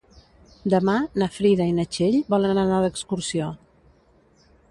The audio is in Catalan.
Demà na Frida i na Txell volen anar d'excursió.